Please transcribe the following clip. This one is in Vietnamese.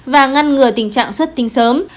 và ngăn ngừa tình trạng xuất tinh sớm